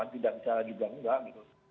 tidak bisa juga enggak